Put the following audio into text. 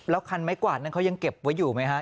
คันไม้กวาดนั้นเขายังเก็บไว้อยู่ไหมฮะ